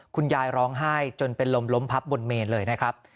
คุณยายร้องไห้จนเป็นลมล้มพับบนเมนเลยนะครับ